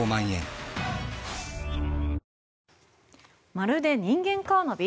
まるで人間カーナビ？